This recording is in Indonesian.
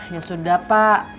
ya sudah pak